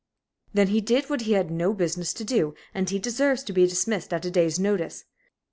"Then he did what he had no business to do, and he deserves to be dismissed at a day's notice.